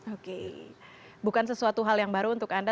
oke bukan sesuatu hal yang baru untuk anda